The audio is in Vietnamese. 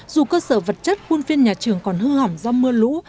dù cơ sở vật chất quân phiên nhà trường còn hư hỏng do mưa lũ